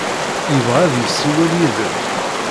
Yebɣa ad yessiwel yid-m.